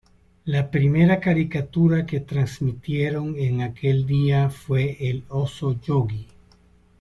La primera caricatura que transmitieron en aquel día fue "El oso Yogi".